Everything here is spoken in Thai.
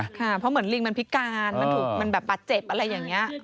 ค่ะเพราะเหมือนลิงมันพิการมันถูกมันแบบบาดเจ็บอะไรอย่างนี้